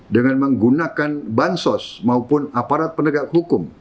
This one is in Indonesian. dengan menggunakan bansos maupun aparat penegak hukum